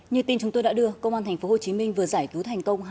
như tin chúng tôi đã đưa công an tp hcm vừa giải cứu thành công